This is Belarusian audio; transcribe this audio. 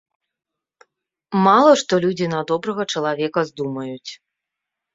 Мала што людзі на добрага чалавека здумаюць.